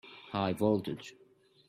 High voltage!